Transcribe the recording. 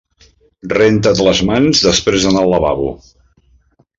Renta't les mans després d'anar al lavabo.